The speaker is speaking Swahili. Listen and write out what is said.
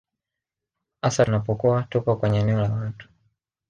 hasa tunapokuwa tupo kwenye eneo la watu